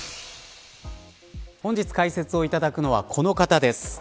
本日解説をいただくのはこの方です。